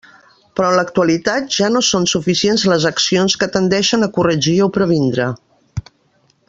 Però en l'actualitat ja no són suficients les accions que tendeixen a corregir o previndre.